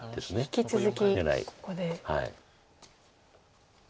引き続きここで。